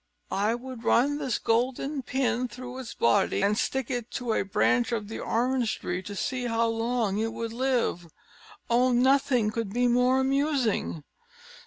"I would run this golden pin through its body, and stick it to a branch of the orange tree, to see how long it would live. Oh, nothing could be more amusing!"